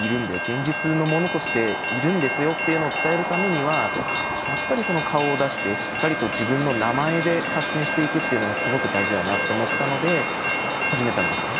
現実のものとしているんですよっていうのを伝えるためにはやっぱり顔を出してしっかりと自分の名前で発信していくっていうのがすごく大事だなって思ったので始めたんですね。